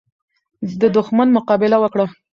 د دښمن مقابله وکړه.